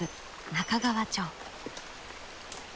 中川町。